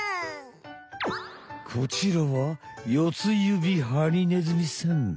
こちらはヨツユビハリネズミさん。